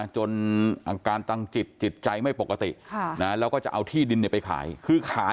จนอาการตังจิตจิตใจไม่ปกติแล้วก็จะเอาที่ดินไปขายคือขาย